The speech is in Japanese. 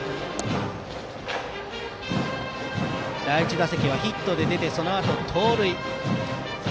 第１打席はヒットで出てそのあと盗塁。